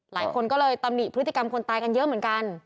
หลายคนก็เลยตำหนิพฤติกรรมคนตายกันเยอะเหมือนกัน